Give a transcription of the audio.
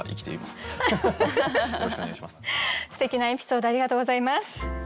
すてきなエピソードありがとうございます。